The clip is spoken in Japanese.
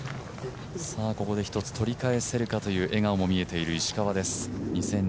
ここで一つ取り返せるかという、笑顔も見せている石川です。